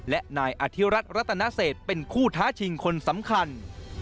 และนายอธิรัฐรัตนเศษเป็นคู่ท้าชิงคนสำคัญ